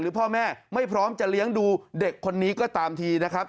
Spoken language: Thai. พ่อแม่ไม่พร้อมจะเลี้ยงดูเด็กคนนี้ก็ตามทีนะครับ